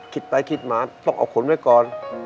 คิดไปคิดมาต้องเอาขนไว้ก่อน